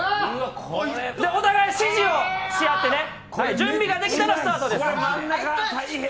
お互い指示をし合ってね、準備ができたらスタートです。